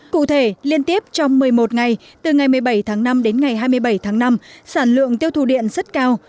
cụ thể liên tiếp trong một mươi một ngày từ ngày một mươi bảy tháng năm đến ngày hai mươi bảy tháng năm sản lượng tiêu thụ điện rất cao